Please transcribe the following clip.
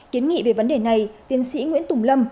kiến nghị về vấn đề này tiến sĩ nguyễn tùng lâm